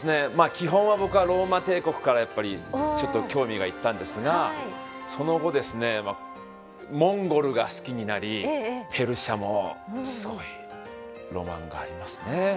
基本は僕はローマ帝国からやっぱりちょっと興味が行ったんですがその後ですねモンゴルが好きになりペルシャもすごいロマンがありますね。